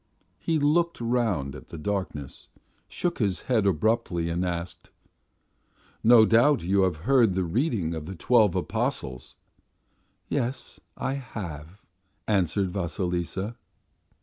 He looked round at the darkness, shook his head abruptly and asked: "No doubt you have been at the reading of the Twelve Gospels?" "Yes, I have," answered Vasilisa.